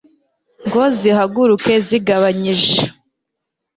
ngo zihaguruke zigabanyije